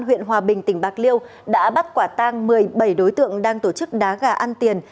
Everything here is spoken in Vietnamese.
huyện hòa bình tỉnh bạc liêu đã bắt quả tang một mươi bảy đối tượng đang tổ chức đá gà ăn tiền